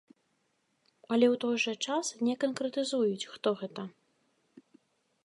Але ў той жа час не канкрэтызуюць, хто гэта.